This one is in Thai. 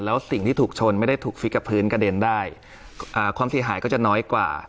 แล้วสิ่งที่ถูกชนไม่ได้ถูกฟิกกับพื้นกระเด็นได้ความเสียหายก็จะน้อยกว่า